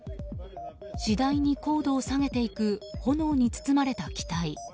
次第に高度を下げていく炎に包まれた機体。